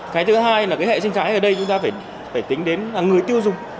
cái thứ hai là cái hệ sinh thái ở đây chúng ta phải tính đến là người tiêu dùng